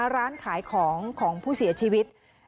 ร้านขายของของผู้เสียชีวิต